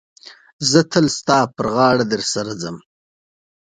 زه تل ستا پر غاړه در سره ځم.